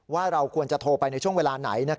ว่าเราควรจะโทรไปในช่วงเวลาไหน